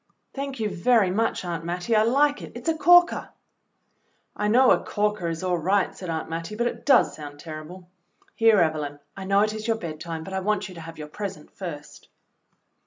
"Thank you very much. Aunt Mattie. I like it. It's a corker." "I know 'a corker' is all right," said Aunt Mattie, "but it does sound terrible. Here, Evelyn, I know it is your bedtime, but I want you to have your present first."